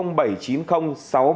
truy tìm người đối với